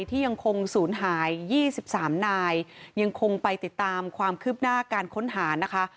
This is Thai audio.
ที่ยังคงสูญหายยี่สิบสามนายยังคงไปติดตามความคืบหน้าการค้นหานะคะ